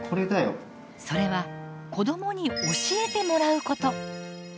それは子どもに教えてもらうこと。